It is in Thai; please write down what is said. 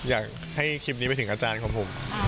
อยากให้คลิปนี้ไปถึงอาจารย์ของผม